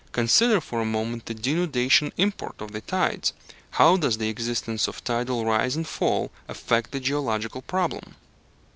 Consider for a moment the denudation import of the tides: how does the existence of tidal rise and fall affect the geological problem?